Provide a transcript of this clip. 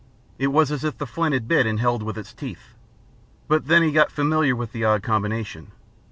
It was as if the flint had bit and held with its teeth. But then he got familiar with the odd combination.